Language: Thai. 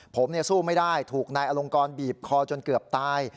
ผมสู้ไม่ได้ถูกนายอลงกรบีบคอจนเกือบตาย